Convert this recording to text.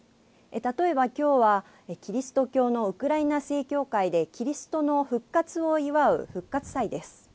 例えばきょうは、キリスト教のウクライナ正教会でキリストの復活を祝う復活祭です。